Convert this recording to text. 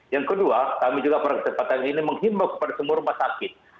yang kedua kami juga pada kesempatan ini menghimbau kepada semua rumah sakit